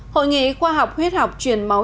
hội nghị khoa học huyết học chuyển màu